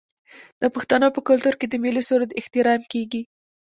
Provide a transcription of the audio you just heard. د پښتنو په کلتور کې د ملي سرود احترام کیږي.